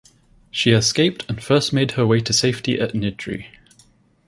She escaped and first made her way to safety at Niddry.